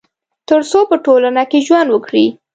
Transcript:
تر څو په ټولنه کي ژوند وکړي